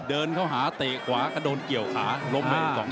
เดินเข้าหาเตะกว่ากระโดนเกี่ยวขาล้มเหมาะกล่องที่๓